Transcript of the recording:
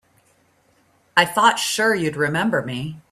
I thought sure you'd remember me.